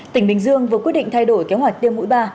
tỉnh bình dương vừa quyết định thay đổi kế hoạch tiêm mũi ba